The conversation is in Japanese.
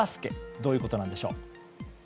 どういうことなんでしょう。